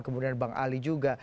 kemudian bang ali juga